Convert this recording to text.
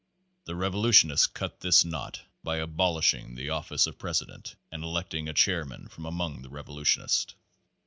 The revolutionists cut this knot by abolishing the office of President and electing a chairman from among the revolutionists.